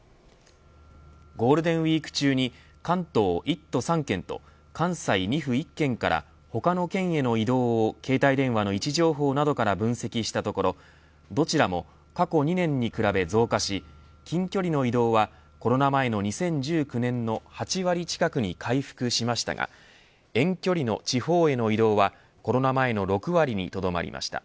ゴールデンウイーク中に関東１都３県と関西２府１県から他の県への移動を携帯電話の位置情報などから分析したところどちらも過去２年に比べ増加し近距離の移動はコロナ前の２０１９年の８割近くに回復しましたが遠距離の地方への移動はコロナ前の６割にとどまりました。